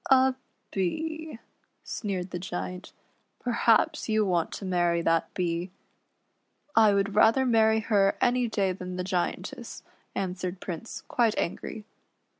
" A Bee," sneered the Giant ;" perhaps you want to marry that Bee." " I would rather marry her any day than the Giantess," answered Prince, quite angry.